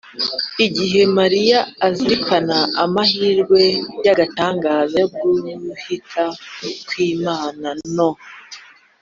mu gihe mariya azirikana amahirwe y’agatangaza y’uguhita kw’imana no